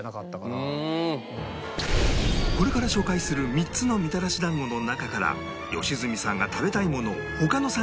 これから紹介する３つのみたらし団子の中から良純さんが食べたいものを他の３人が推理